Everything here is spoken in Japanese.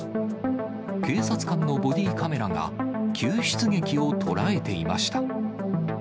警察官のボディーカメラが、救出劇を捉えていました。